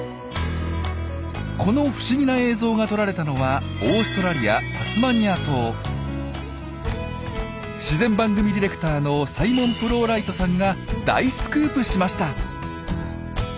この不思議な映像が撮られたのは自然番組ディレクターのサイモン・プロウライトさんが大スクープしました。